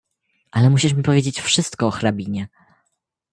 "Ale musisz mi powiedzieć wszystko o hrabinie."